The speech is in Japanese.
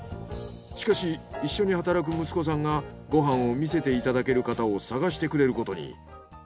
しかし一緒に働く息子さんがご飯を見せていただける方を探してくれることに。